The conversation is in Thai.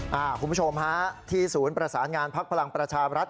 สวัสดีคุณผู้ชมฮะที่ศูนย์ประสานงานพรรณประชารรัฐ